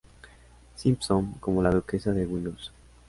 Simpson" como la duquesa de Windsor.